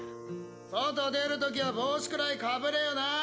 外出る時は帽子くらいかぶれよな。